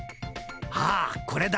あこれだ！